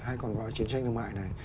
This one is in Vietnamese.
hay còn gọi là chiến tranh thương mại này